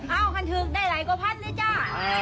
เอาคันถึกได้หลายกว่าพันเลยจ้า